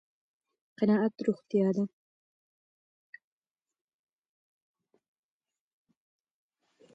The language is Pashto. قناعت روغتيا ده